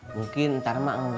mungkin ntar emang ngejek